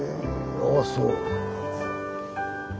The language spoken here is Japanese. ああそう。